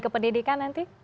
ke pendidikan nanti